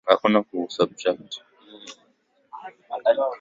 alichangia kuwa mtu wa kwanza kuleta utaifa katika ardhi ya Tanganyika